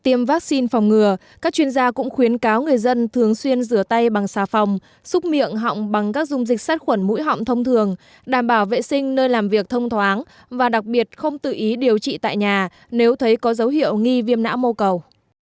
tiêm phòng thì nó sẽ có khả năng bảo vệ cho những người được tiêm phòng tuy nhiên thì nó sẽ có khả năng bảo vệ sinh nơi làm việc thông thoáng và đặc biệt không tự ý điều trị tại nhà nếu thấy có dấu hiệu nghi viễu